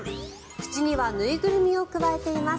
口には縫いぐるみをくわえています。